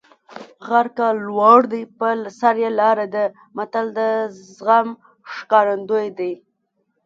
غر که لوړ دی په سر یې لاره ده متل د زغم ښکارندوی دی